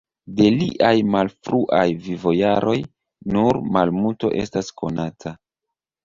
De liaj malfruaj vivojaroj nur malmulto estas konata.